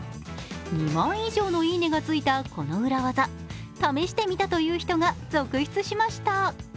２万以上のいいねがついたこの裏技試してみたという人が続出しました。